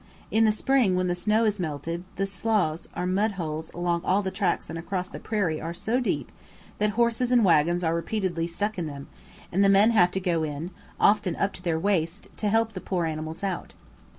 In the spring, when the snow has melted, the "sloughs" or mudholes along all the tracks and across the prairie are so deep that horses and waggons are repeatedly stuck in them, and the men have to go in, often up to their waist, to help the poor animals out.